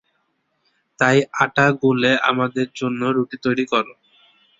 তাই আটা গুলে আমাদের জন্য রুটি তৈরী কর।